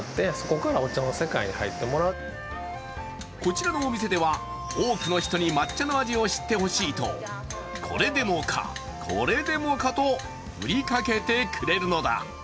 こちらのお店では多くの人に抹茶の味を知ってほしいとこれでもか、これでもかと振りかけてくれるのだ。